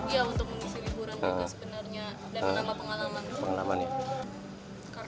iya untuk mengisi liburan mereka sebenarnya dan menambah pengalaman